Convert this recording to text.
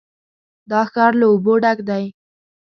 دا ښار له اوبو ډک دی.